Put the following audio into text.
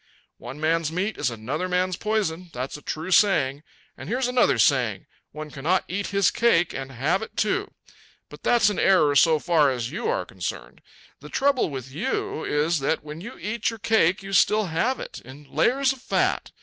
"One man's meat is another man's poison; that's a true saying. And here's another saying one cannot eat his cake and have it, too. But that's an error so far as you are concerned. The trouble with you is that when you eat your cake you still have it in layers of fat.